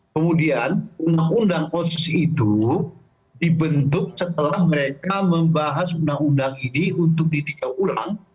kemudian undang undang otsus itu dibentuk setelah mereka membahas undang undang ini untuk ditika ulang